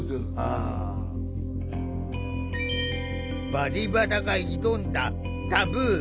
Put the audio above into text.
「バリバラ」が挑んだタブー。